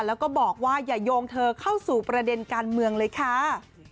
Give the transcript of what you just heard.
แล้วก็บอกว่าอย่าโยงเธอเข้าสู่ประเด็นการเมืองเลยค่ะ